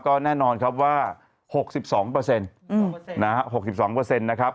ก็แน่นอนครับว่าหกสิบสองเปอร์เซ็นต์อืมนะฮะหกสิบสองเปอร์เซ็นต์นะครับ